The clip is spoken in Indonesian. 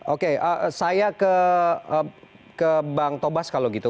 oke saya ke bang tobas kalau gitu